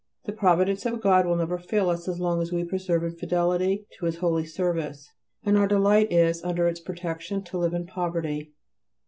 The Providence of God will never fail us as long as we persevere in fidelity to His holy service; and our delight is, under its protection, to live in poverty.